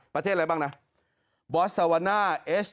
ประเทศอะไรบ้างนะบอสซาวาน่า